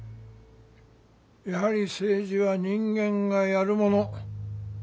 やはり政治は人間がやるもの。